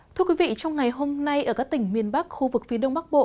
thưa quý vị trong ngày hôm nay ở các tỉnh miền bắc khu vực phía đông bắc bộ